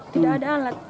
tidak ada alat